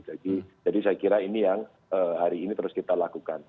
jadi saya kira ini yang hari ini terus kita lakukan